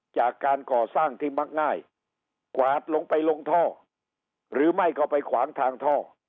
จากการก่อสร้างที่มักง่ายกวาดลงไปลงท่อหรือไม่ก็ไปขวางทางท่อ